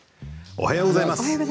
おはようございます。